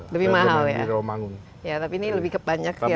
lebih mahal ya tapi ini lebih ke banyak sih